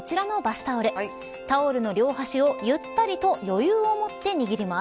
タオルの両端をゆったりと余裕を持って握ります。